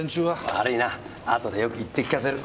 悪いな後でよく言って聞かせる。